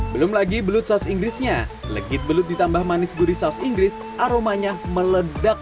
belum lagi belut saus inggrisnya legit belut ditambah manis gurih saus inggris aromanya meledak